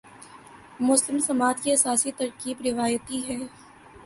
مسلم سماج کی اساسی ترکیب روایتی ہے۔